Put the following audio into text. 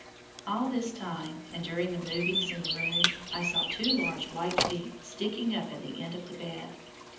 All this time, and during the movings in the room, I saw two large white feet sticking up at the end of the bed.